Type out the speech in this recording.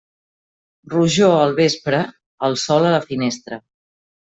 Rojor al vespre, el sol a la finestra.